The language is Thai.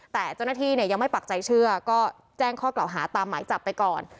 แต่เจ้าหน้าที่เนี่ยยังไม่ปักใจเชื่อก็แจ้งข้อกล่าวหาตามหมายจับไปก่อน